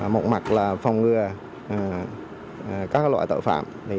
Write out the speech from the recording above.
một mặt là phòng ngừa các loại tội phạm